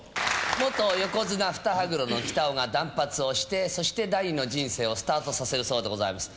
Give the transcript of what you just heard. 元横綱・ふたはぐろのきたおが断髪をして、そして第２の人生をスタートさせるそうでございます。